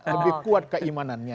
lebih kuat keimanannya